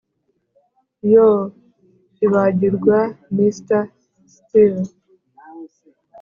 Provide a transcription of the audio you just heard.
yoo, ibagirwa mr steele.